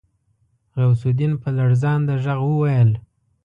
غوث الدين په لړزانده غږ وويل.